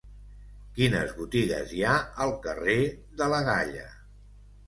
Quines botigues hi ha al carrer de la Galla?